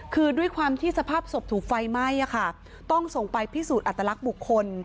คือด้วยความที่สภาพศพถูกไฟไหม้ต้องส่งไปพิสูจน์อัตลักษณ์บุคคล